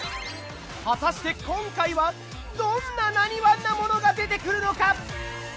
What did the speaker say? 果たして今回はどんな「なにわん」なものが出てくるのか？